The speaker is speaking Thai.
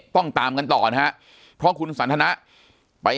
ปากกับภาคภูมิ